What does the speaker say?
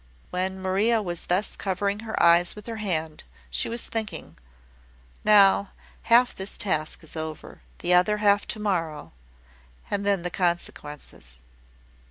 When Maria was thus covering her eyes with her hand, she was thinking "Now, half this task is over. The other half to morrow and then the consequences!"